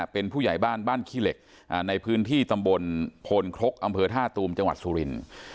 เป็นผู้ใหญ่บ้านบ้านขี้เหล็กในพื้นที่ตำบลโพนครกอำเภอท่าตูมจังหวัดสุรินทร์